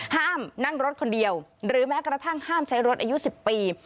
ห้ามนั่งรถคนเดียวหรือแม้กระทั่งห้ามใช้รถอายุ๑๐ปี